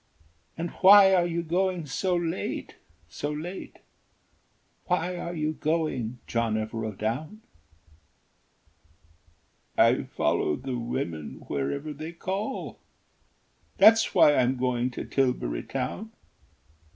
And why are you going so late, so late, Why are you going, John Evereldown?" "I follow the women wherever they call, That's why I'm going to Tilbury Town.